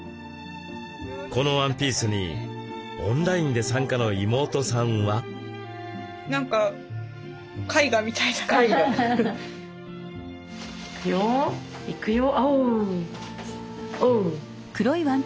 このワンピースにオンラインで参加の妹さんは？いくよ。